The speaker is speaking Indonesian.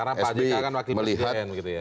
karena pak jk akan wakil presiden gitu ya